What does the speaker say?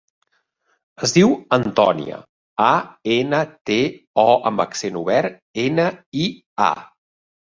Es diu Antònia: a, ena, te, o amb accent obert, ena, i, a.